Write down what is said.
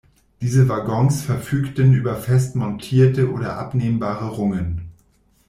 Diese Waggons verfügten über fest montierte oder abnehmbare Rungen.